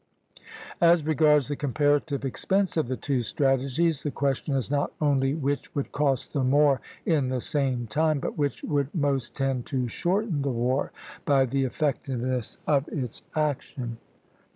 As regards the comparative expense of the two strategies, the question is not only which would cost the more in the same time, but which would most tend to shorten the war by the effectiveness of its action.